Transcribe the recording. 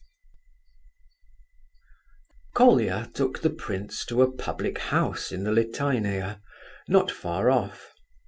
XII. Colia took the prince to a public house in the Litaynaya, not far off.